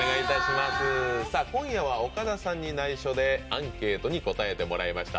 今夜は岡田さんに内緒でアンケートに答えてもらいました。